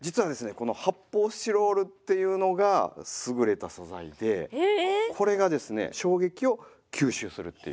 この発泡スチロールっていうのが優れた素材でこれがですね衝撃を吸収するっていう。